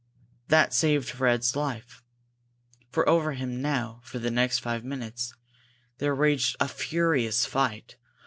That saved Fred's life. For over him now, for the next five minutes, there raged a furious fight.